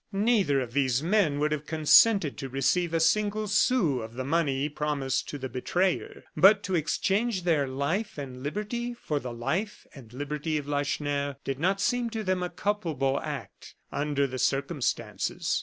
Neither of these men would have consented to receive a single sou of the money promised to the betrayer; but to exchange their life and liberty for the life and liberty of Lacheneur did not seem to them a culpable act, under the circumstances.